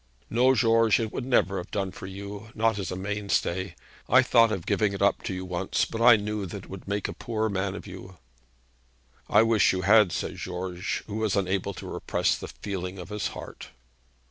'No, George; it would never have done for you; not as a mainstay. I thought of giving it up to you once, but I knew that it would make a poor man of you.' 'I wish you had,' said George, who was unable to repress the feeling of his heart.